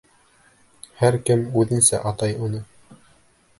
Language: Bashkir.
Һәр кем үҙенсә атай уны.